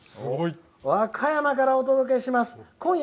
和歌山からお届けします。